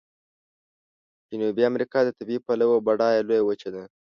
جنوبي امریکا د طبیعي پلوه بډایه لویه وچه ده.